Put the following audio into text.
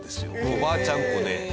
おばあちゃんっ子で。